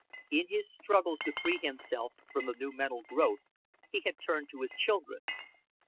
In his struggles to free himself from the new mental growth, he had turned to his children.